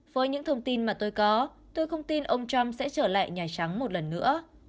với những thông tin mà tôi có tôi không tin ông trump sẽ trở lại nhà trắng một lần nữa